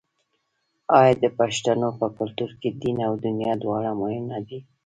آیا د پښتنو په کلتور کې دین او دنیا دواړه مهم نه دي؟